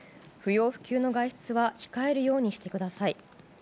不要不急の外出は控えるようにしてください。